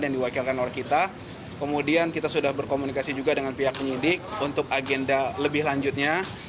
dan diwakilkan oleh kita kemudian kita sudah berkomunikasi juga dengan pihak penyidik untuk agenda lebih lanjutnya